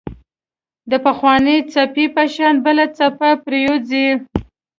د پخوانۍ خپې په شان بله خپه پرېوځي.